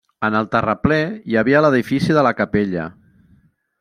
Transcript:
En el terraplè, hi havia l'edifici de la capella.